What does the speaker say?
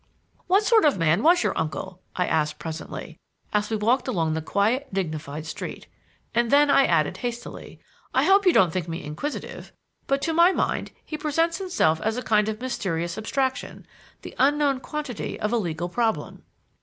"What sort of man was your uncle?" I asked presently, as we walked along the quiet, dignified street. And then I added hastily: "I hope you don't think me inquisitive, but, to my mind, he presents himself as a kind of mysterious abstraction; the unknown quantity of a legal problem."